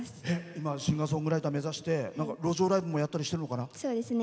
今シンガーソングライター目指して路上ライブもやったりしてるのかな？